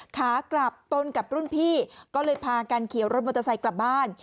ขากลับตนกับรุ่นพี่ก็เลยพากันเขียวรถมอเตอร์ไซค์กลับบ้าน